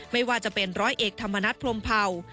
ไม่ว่าจะเป็นร้อยเอกธรรมนัฐพรมเผ่า